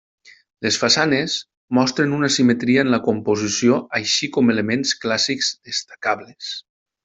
Les façanes mostren una simetria en la composició així com elements clàssics destacables.